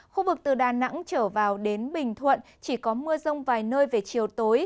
khu vực từ đà nẵng trở vào đến bình thuận chỉ có mưa rông vài nơi về chiều tối